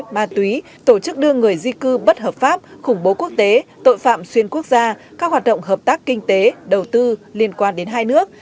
ma túy tổ chức đưa người di cư bất hợp pháp khủng bố quốc tế tội phạm xuyên quốc gia các hoạt động hợp tác kinh tế đầu tư liên quan đến hai nước